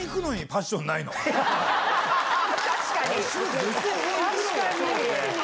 確かに！